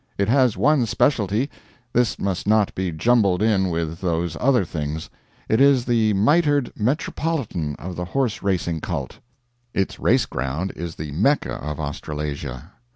It has one specialty; this must not be jumbled in with those other things. It is the mitred Metropolitan of the Horse Racing Cult. Its race ground is the Mecca of Australasia.